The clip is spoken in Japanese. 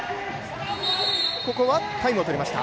ここはタイムをとりました